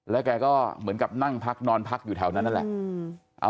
แกก็เหมือนกับนั่งพักนอนพักอยู่แถวนั้นนั่นแหละ